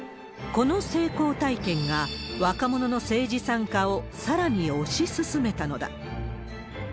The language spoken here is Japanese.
この成功体験が、若者の政治参加をさらに押し進めたのだ。